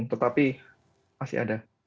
tetapi masih ada